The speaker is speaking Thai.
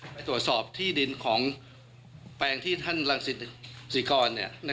ไปตรวจสอบที่ดินของแปลงที่ท่านรังศรีกร